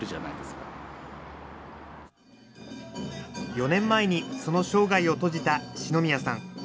４年前にその生涯を閉じた四宮さん。